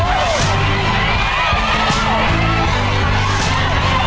โอ้โอ้